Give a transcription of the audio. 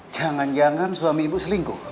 jangan jangan suami ibu selingkuh